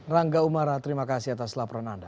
rangga umara terima kasih atas laporan anda